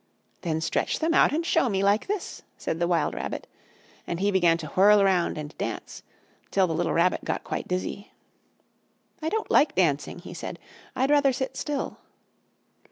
"Then stretch them out and show me, like this!" said the wild rabbit. And he began to whirl round and dance, till the little Rabbit got quite dizzy. "I don't like dancing," he said. "I'd rather sit still!"